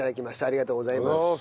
ありがとうございます。